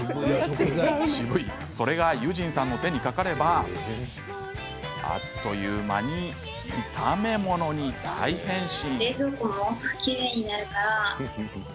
それが結尋さんの手にかかればあっという間に炒め物に大変身。